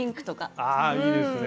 ああいいですね。